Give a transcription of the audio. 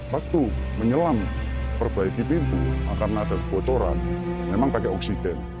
waktu menyelam perbaiki pintu karena ada kebocoran memang pakai oksigen